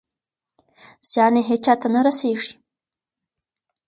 زیان یې هېچا ته نه رسېږي.